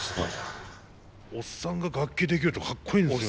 おっさんが楽器できるとかっこいいですね。